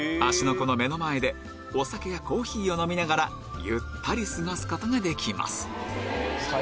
湖の目の前でお酒やコーヒーを飲みながらゆったり過ごすことができます